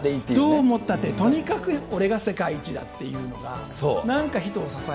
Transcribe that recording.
どう思ったって、とにかく俺が世界一だっていうのが。